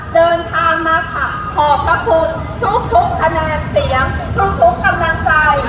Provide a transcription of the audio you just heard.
เดินทางมาค่ะขอบพระคุณทุกคะแนนเสียงทุกกำลังใจ